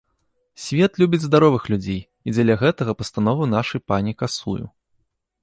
Свет любіць здаровых людзей, і дзеля гэтага пастанову нашай пані касую.